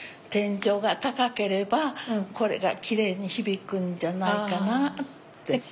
天井が高ければこれがきれいに響くんじゃないかなあって。